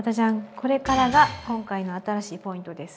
これからが今回の新しいポイントです。